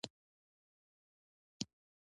تنور د کوچنیانو له خوښۍ ډک دی